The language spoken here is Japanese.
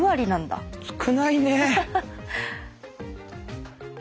少ないね。